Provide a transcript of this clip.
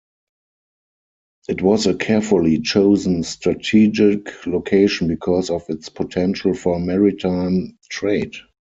It was a carefully chosen strategic location because of its potential for maritime trade.